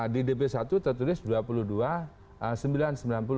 di dp satu tertulis dua puluh dua sembilan ratus sembilan puluh